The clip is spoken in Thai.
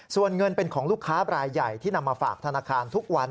ส่วนเงินเป็นของลูกค้าบรายใหญ่ที่นำมาฝากธนาคารทุกวัน